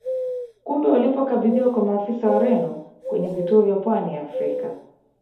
Kumbe walipokabidhiwa kwa maafisa Wareno kwenye vituo vya pwani ya Afrika